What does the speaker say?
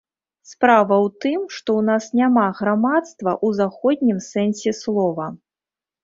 Справа ў тым, што ў нас няма грамадства ў заходнім сэнсе слова.